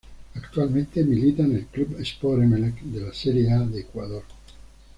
Actualmente milita en el Club Sport Emelec de la Serie A de Ecuador.